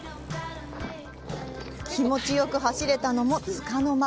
気持ちよく走れたのもつかの間。